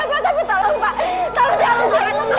semuanya salah saya pak tapi tolong pak